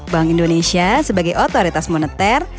bank indonesia sebagai otoritas moneter